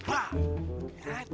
kalau ga juga